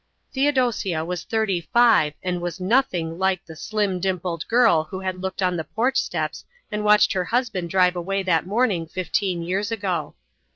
Theodosia was thirty five and was nothing like! the slim, dimpled girl who had stood on the porch steps and watched her husband drive away that morning fifteen years ago.